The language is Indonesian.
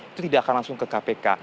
itu tidak akan langsung ke kpk